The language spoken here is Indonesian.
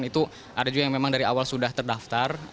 itu ada juga yang memang dari awal sudah terdaftar